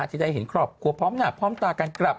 ที่ได้เห็นครอบครัวพร้อมหน้าพร้อมตากันกลับ